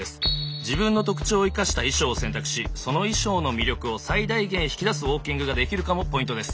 自分の特徴を生かした衣装を選択しその衣装の魅力を最大限引き出すウォーキングができるかもポイントです。